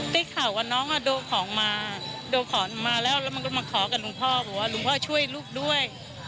ได้ข่าวว่าน้องโดของมาแล้วมาขอกับลุงพ่อบอกว่าลุงพ่อช่วยลูกด้วย